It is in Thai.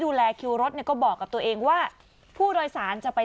ดูแลคิวรถเนี่ยก็บอกกับตัวเองว่าผู้โดยสารจะไป